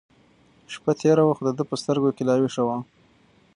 شپه تېره وه خو د ده په سترګو کې لا وېښه وه.